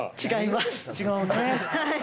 違います。